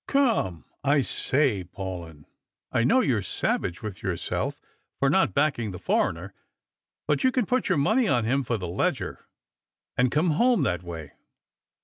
Come, I say, Paulyn, I know you're savage with yourself for not backing the foreigner, but you can put your money on liim for the Leger, and come home that way."